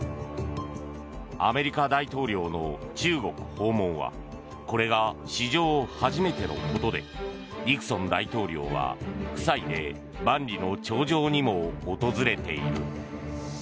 アメリカ大統領の中国訪問はこれが史上初めてのことでニクソン大統領は、夫妻で万里の長城にも訪れている。